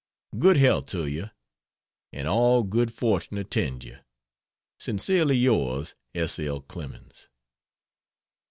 Good health to you, and all good fortune attend you. Sincerely yours, S. L. CLEMENS.